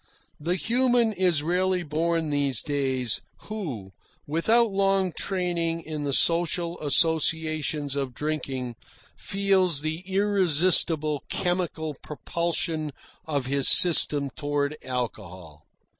The human is rarely born these days, who, without long training in the social associations of drinking, feels the irresistible chemical propulsion of his system toward alcohol.